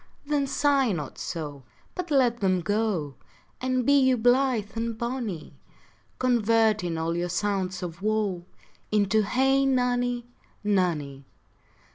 Then sigh not so, But let them go, And be you blith and bonny, Converting all your sounds of woe Into Hey nonny, nonny.